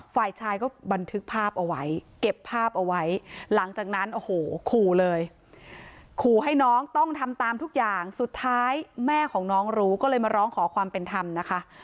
ฝ่ายชายก็บันทึกภาพเอาไว้เก็บภาพเอาไว้หลังจากนั้นโอ้โหขู่เลยขู่ให้น้องต้องทำตามทุกอย่างสุดท้ายแม่ของน้องรู้ก็เลยมาร้องขอความเป็นธรรมนะคะ